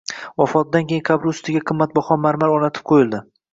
Vafotidan keyin qabri ustiga qimmatbaho marmar o‘rnatib qo‘yildi.